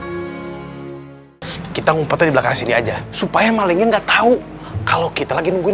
hai kita ngumpetin di belakang sini aja supaya malingnya enggak tahu kalau kita lagi nungguin